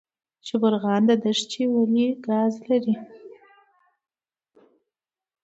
شبرغان دښتې ولې ګاز لري؟